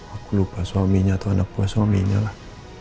aku lupa suaminya atau anakku suaminya lah